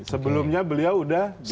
sebelumnya beliau udah bilang